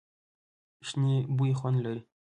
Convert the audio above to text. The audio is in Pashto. شنې بوی خوند دی.